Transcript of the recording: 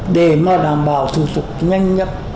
để đảm bảo sử dụng nhanh nhất